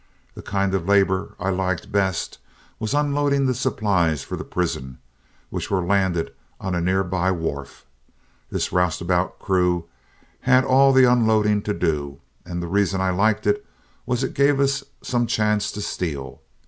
The kind of labor I liked best was unloading the supplies for the prison, which were landed on a near by wharf. This roustabout crew had all the unloading to do, and the reason I liked it was it gave us some chance to steal.